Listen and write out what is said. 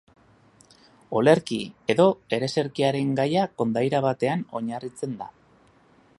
Olerki edo ereserkiaren gaia kondaira batean oinarritzen da.